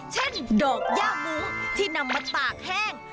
เช่นดอกย่ามุ้งที่นำมาตากแห้ง